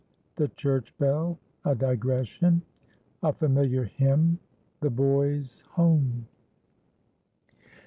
—THE CHURCH BELL.—A DIGRESSION.—A FAMILIAR HYMN.—THE BOYS' HOME.